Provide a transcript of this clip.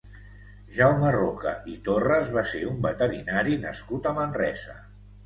Jaume Roca i Torras va ser un veterinari nascut a Manresa.